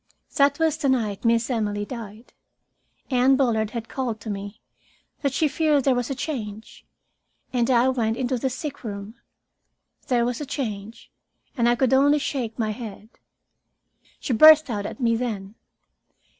That was the night Miss Emily died. Anne Bullard had called to me that she feared there was a change, and I went into the sickroom. There was a change, and I could only shake my head. She burst out at me then.